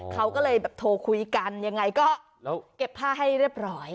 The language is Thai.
เขาก็เลยแบบโทรคุยกันยังไงก็เก็บผ้าให้เรียบร้อย